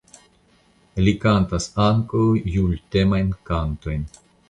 Li kantas ankaŭ jultemajn kantojn.